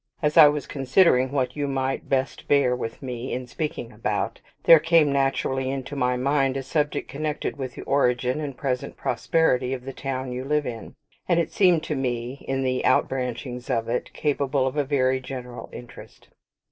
As I was considering what you might best bear with me in speaking about, there came naturally into my mind a subject connected with the origin and present prosperity of the town you live in; and, it seemed to me, in the out branchings of it, capable of a very general interest.